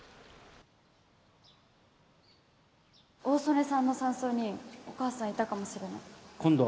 大曾根さんの山荘にお母さんいたかもしれない。